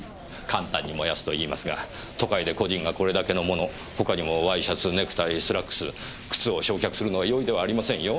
簡単に燃やすと言いますが都会で個人がこれだけのもの他にもワイシャツネクタイスラックス靴を焼却するのは容易ではありませんよ？